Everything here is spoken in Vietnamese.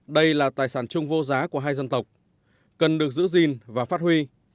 đây là tài sản chung vô giá của hai dân tộc cần được giữ gìn và phát huy